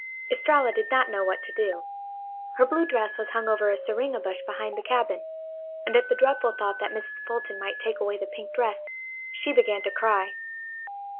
Estralla did not know what to do. Her blue dress was hung over a syringa bush behind the cabin. And at the dreadful thought that Mrs. Fulton might take away the pink dress she began to cry.